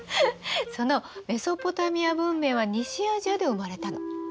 そのメソポタミア文明は西アジアで生まれたの。